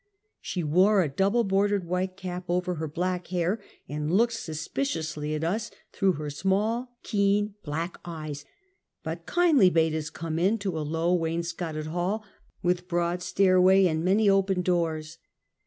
She wore a double bordered white cap over her black hair, and looked suspiciously at us through her small keen, black eyes, but kindly bade us come in to a low wainscoted hall, with broad stairway and many open doors.